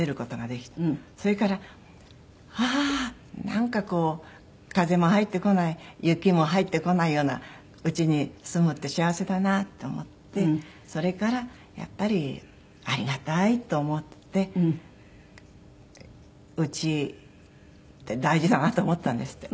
それからああーなんかこう風も入ってこない雪も入ってこないような家に住むって幸せだなって思ってそれからやっぱりありがたいと思って家って大事だなと思ったんですって。